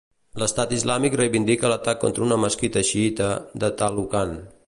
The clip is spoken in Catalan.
Estat Islàmic reivindica l'atac contra una mesquita xiïta de Talukan.